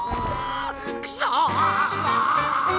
くそ！